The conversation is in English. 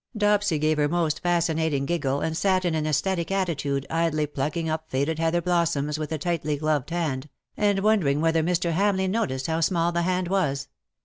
Dopsy gave her most fascinating giggle, and sat in an sesthetic attitude idly plucking up faded heather blossoms with a tightly gloved hand, and wondering whether Mr. Hamleigh noticed how small the hand was.